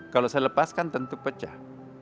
kalau saya lepaskan tentu pecah